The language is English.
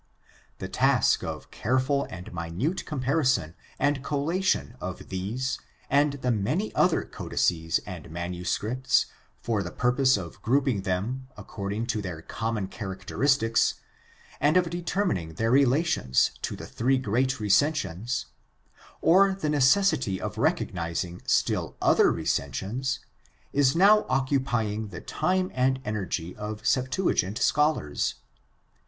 The task of careful and minute comparison and collation of these and the many other codices and manuscripts for the purpose of grouping them according to their common characteristics, and of determining their relations to the three greajt recensions, or the necessity of recognizing still other recensions, is now occupying the time and energy of Septuagint scholars.